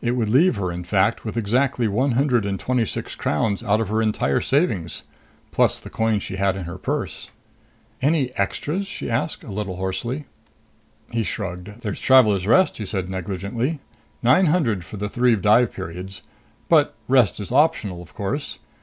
It would leave her, in fact, with exactly one hundred and twenty six crowns out of her entire savings, plus the coins she had in her purse. "Any extras?" she asked, a little hoarsely. He shrugged. "There's Traveler's Rest," he said negligently. "Nine hundred for the three dive periods. But Rest is optional, of course.